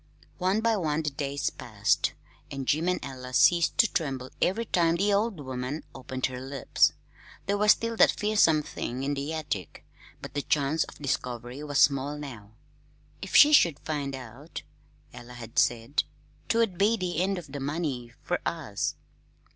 One by one the days passed, and Jim and Ella ceased to tremble every time the old woman opened her lips. There was still that fearsome thing in the attic, but the chance of discovery was small now. "If she should find out," Ella had said, "'twould be the end of the money fer us."